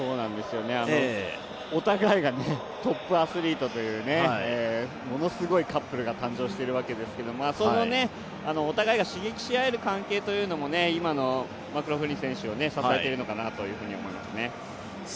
お互いがトップアスリートというものすごいカップルが誕生しているわけですけどそのお互いが刺激しあえる関係も今のマクローフリン選手を支えているのかなと思いますね。